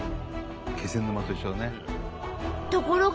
気仙沼と一緒だね。